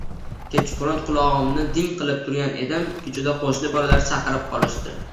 Kechqurun qulog‘imni ding qilib turgan edim, ko‘chada qo‘shni bolalar chaqirib qolishdi.